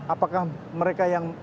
apakah mereka yang